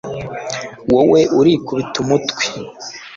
wowe urikubite umutwe